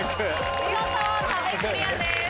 見事壁クリアです。